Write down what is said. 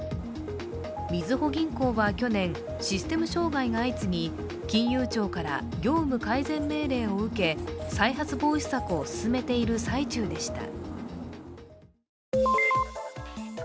みずほ銀行は去年、システム障害が相次ぎ、金融庁から業務改善命令を受け再発防止策を進めている最中でした。